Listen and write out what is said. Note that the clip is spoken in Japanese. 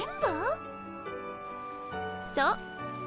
そう。